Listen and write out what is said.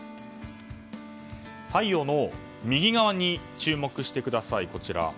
太陽の右側に注目してください。